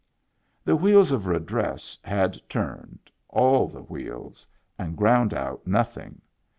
The wheels of redress had turned, all the wheels, and ground out nothing.